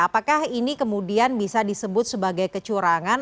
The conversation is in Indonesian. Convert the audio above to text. apakah ini kemudian bisa disebut sebagai kecurangan